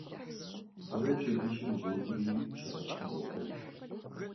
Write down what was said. Дыгъэр пщэдджыжьым къыщӀокӀри пщыхьэщхьэм къуохьэж.